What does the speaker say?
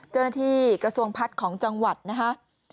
เจ้าหน้าที่กระทรวงพัฒน์ของจังหวัดนะคะ